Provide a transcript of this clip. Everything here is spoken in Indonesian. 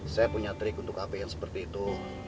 saya punya trik untuk ap yang seperti itu